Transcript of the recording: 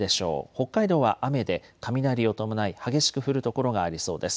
北海道は雨で雷を伴い激しく降る所がありそうです。